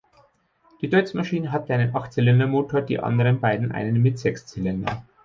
Die Deutz-Maschine hatte einen Achtzylinder-Motor, die anderen beiden einen mit sechs Zylindern.